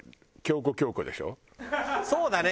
そうだね。